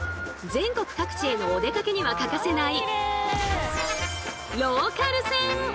全国各地へのお出かけには欠かせない